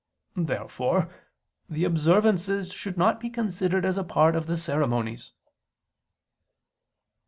Therefore the "observances" should not be considered as a part of the ceremonies.